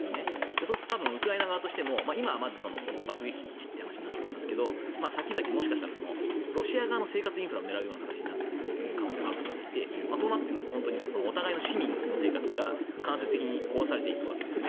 そうするとウクライナ側としても今は爆撃基地という話ですけど先々、もしかしたらロシア側の生活インフラを狙う可能性もあると思っていてそうなるとお互いの市民の生活が間接的に壊されていくわけですね。